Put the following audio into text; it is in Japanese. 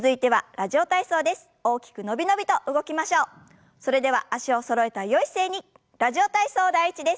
「ラジオ体操第１」です。